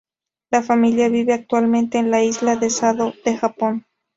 La familia vive actualmente en la isla de Sado de Japón.